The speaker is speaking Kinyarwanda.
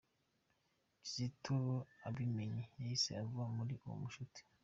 Kizito abimenye yahise ava muri ubwo bucuti.